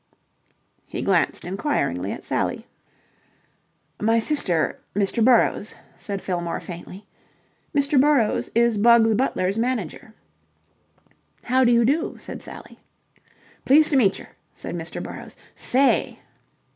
He glanced inquiringly at Sally. "My sister Mr. Burrowes," said Fillmore faintly. "Mr. Burrowes is Bugs Butler's manager." "How do you do?" said Sally. "Pleased to meecher," said Mr. Burrowes. "Say..."